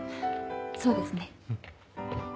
そうですね。